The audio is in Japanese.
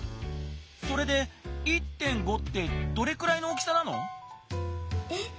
それで「１．５」ってどれくらいの大きさなの？え？